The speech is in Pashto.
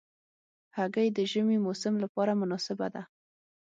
هګۍ د ژمي موسم لپاره مناسبه ده.